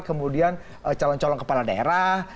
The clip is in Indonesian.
kemudian calon calon kepala daerah